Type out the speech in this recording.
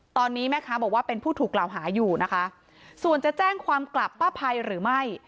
ตอนนี้แม่ค้าบอกว่าเป็นผู้ถูกกล่าวหาอยู่นะคะส่วนจะแจ้งความกลับป้าภัยหรือไม่